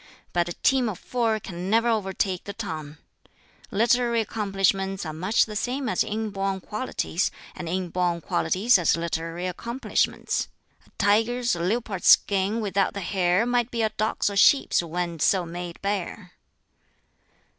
But 'a team of four can ne'er o'er take the tongue!' Literary accomplishments are much the same as inborn qualities, and inborn qualities as literary accomplishments. A tiger's or leopard's skin without the hair might be a dog's or sheep's when so made bare."